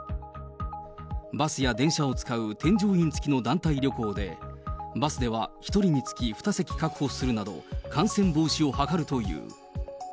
バスや電車を使う添乗員付きの団体旅行で、バスでは１人につき２席確保するなど、感染防止を図るという。